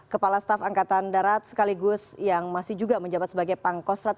kepala staf angkatan darat sekaligus yang masih juga menjabat sebagai pangkostrat